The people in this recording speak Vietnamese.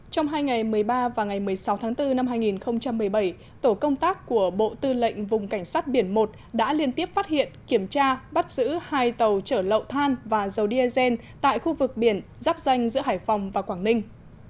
trong hai ngày một mươi ba và ngày một mươi sáu tháng bốn năm hai nghìn một mươi bảy tổ công tác của bộ tư lệnh vùng cảnh sát biển một đã liên tiếp phát hiện kiểm tra bắt giữ hai tàu chở lậu than và dầu diesel tại khu vực biển giáp danh giữa hải phòng và quảng ninh